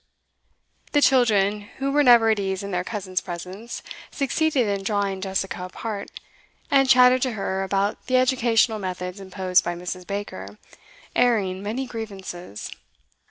The children, who were never at ease in their cousin's presence, succeeded in drawing Jessica apart, and chattered to her about the educational methods imposed by Mrs. Baker, airing many grievances.